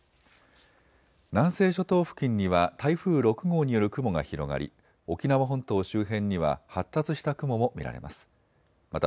南西諸島付近には台風６号による雲が広がり沖縄本島周辺には発達した雲も見られます。